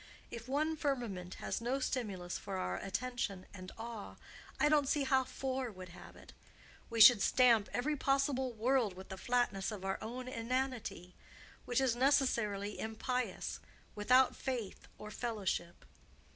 If one firmament has no stimulus for our attention and awe, I don't see how four would have it. We should stamp every possible world with the flatness of our own inanity—which is necessarily impious, without faith or fellowship.